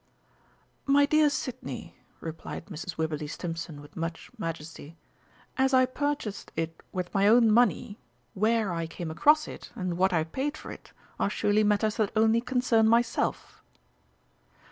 "My dear Sidney," replied Mrs. Wibberley Stimpson with much majesty, "as I purchased it with my own money, where I came across it, and what I paid for it are surely matters that only concern myself."